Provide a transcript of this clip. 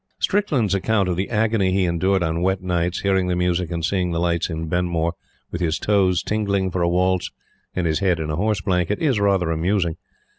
Strickland's account of the agony he endured on wet nights, hearing the music and seeing the lights in "Benmore," with his toes tingling for a waltz and his head in a horse blanket, is rather amusing.